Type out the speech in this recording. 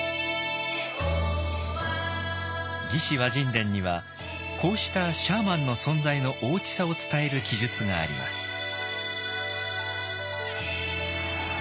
「魏志倭人伝」にはこうしたシャーマンの存在の大きさを伝える記述があります。